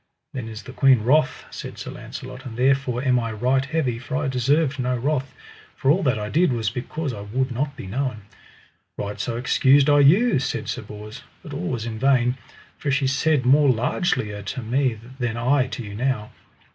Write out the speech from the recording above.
Then is the queen wroth, said Sir Launcelot and therefore am I right heavy, for I deserved no wrath, for all that I did was because I would not be known. Right so excused I you, said Sir Bors, but all was in vain, for she said more largelier to me than I to you now.